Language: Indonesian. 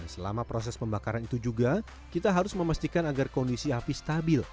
selama proses pembakaran itu juga kita harus memastikan agar kondisi api stabil